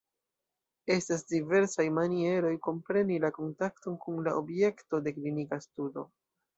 Estas diversaj manieroj kompreni la kontakton kun la objekto de klinika studo.